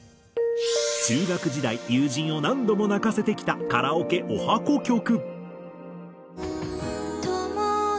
中学時代友人を何度も泣かせてきたカラオケ十八番曲。